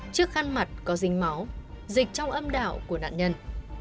chiếc khăn mặt có rinh máu dịch trong âm đạo của nạn nhân